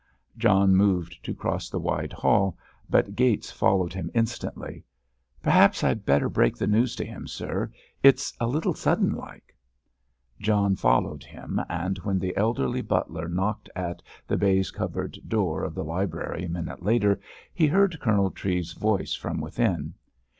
John moved to cross the wide hall, but Gates followed him instantly. "Perhaps I'd better break the news to him, sir; it's a little sudden like." John followed him, and when the elderly butler knocked at the baize covered door of the library a minute later, he heard Colonel Treves's voice from within.